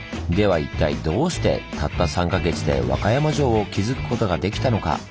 では一体どうしてたった３か月で和歌山城を築くことができたのか？